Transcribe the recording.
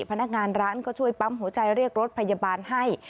พนักงานร้านก็ช่วยปั๊มหัวใจเรียกรถพยาบาลให้